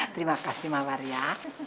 terima kasih mawar ya